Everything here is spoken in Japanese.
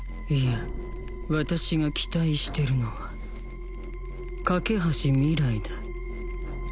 いや私が期待してるのは架橋明日だ